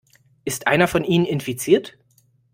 Ist einer von ihnen infiziert?